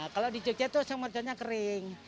kalau di jogja itu oseng osengnya kering